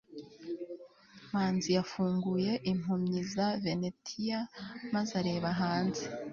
manzi yafunguye impumyi za venetian maze areba hanze